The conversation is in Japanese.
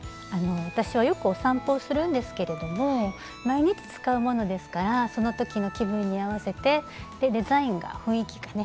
私はよくお散歩をするんですけれども毎日使うものですからその時の気分に合わせてデザインが雰囲気がね